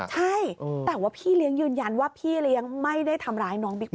ใช่แต่ว่าพี่เลี้ยงยืนยันว่าพี่เลี้ยงไม่ได้ทำร้ายน้องบิ๊กไ